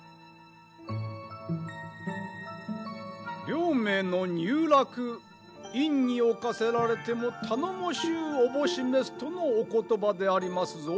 両名の入洛院におかせられても頼もしゅうおぼし召すとのお言葉でありますぞ。